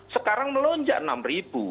sekarang melonjak rp enam